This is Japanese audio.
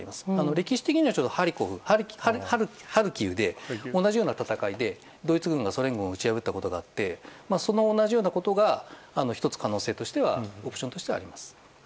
歴史的にはハルキウで同じような戦いでドイツ軍が、ソ連軍を打ち破ったことがあって同じようなことが１つ可能性としてはオプションとしてはあります。